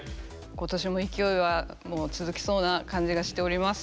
今年も勢いは続きそうな感じがしております。